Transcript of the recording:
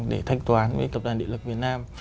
để thanh toán với tập đoàn địa lực việt nam